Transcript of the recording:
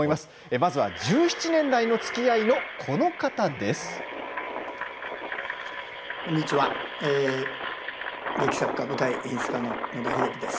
まずは１７年来のおつきあいのこの方です。